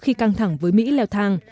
khi căng thẳng với mỹ leo thang